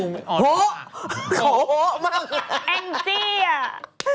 แองจี้อะ